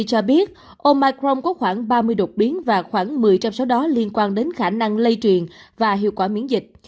cho biết omicron có khoảng ba mươi đột biến và khoảng một mươi trong số đó liên quan đến khả năng lây truyền và hiệu quả miễn dịch